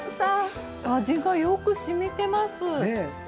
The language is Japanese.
味が、よくしみてます。